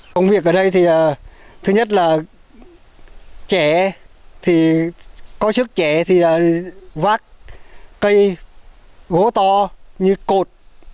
công việc ở đây thì thứ nhất là trẻ có chức trẻ thì vác cây gố to như cột